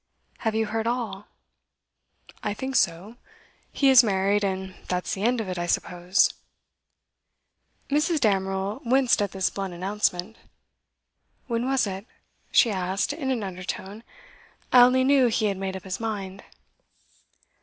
'Have you heard all?' 'I think so. He is married, and that's the end of it, I suppose.' Mrs. Damerel winced at this blunt announcement. 'When was it?' she asked, in an undertone. 'I only knew he had made up his mind.